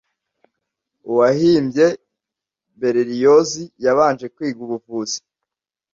Uwahimbye Berlioz yabanje kwiga Ubuvuzi